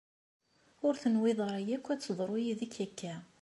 Ur tenwiḍ ara akk ad teḍru yid-k akka.